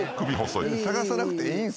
探さなくていいんすよ。